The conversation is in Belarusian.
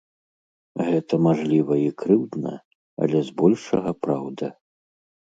Гэта, мажліва, і крыўдна, але збольшага праўда.